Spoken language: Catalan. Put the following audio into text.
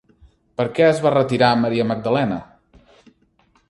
Per què es va retirar Maria Magdalena?